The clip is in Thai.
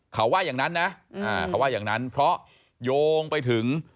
เขาว่าอย่างนั้นนะเพราะโยงไปถึง